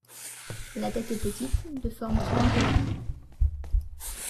La tête est petite, de forme triangulaire.